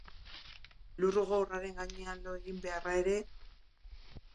Lur gogorraren gainean lo egin beharra ere...